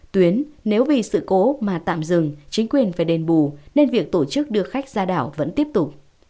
tuyến nếu vì sự cố mà tạm dừng chính quyền phải đền bù nên việc tổ chức đưa khách ra đảo vẫn tiếp tục